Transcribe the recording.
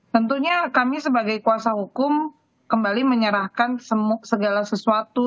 tentunya kami sebagai kuasa hukum kembali menyerahkan segala sesuatu